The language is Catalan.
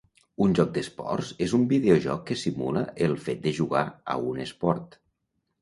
Un joc d'esports és un videojoc que simula el fet de jugar a un esport.